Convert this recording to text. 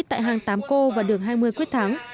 tại hàng tám cô và đường hai mươi quyết thắng